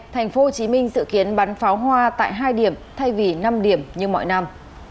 thành phố hồ chí minh dự kiến bắn pháo hoa tại hai điểm thay vì năm điểm như mọi năm